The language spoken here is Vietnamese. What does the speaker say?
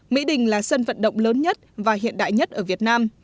mỹ đình là sân vận động lớn nhất và hiện đại nhất ở việt nam